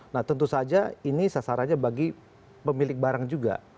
nah tentu saja ini sasarannya bagi pemilik barang juga